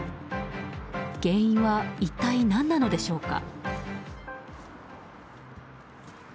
原因は一体何なのでしょうか。